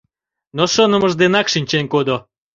Но шонымыж денак шинчен кодо.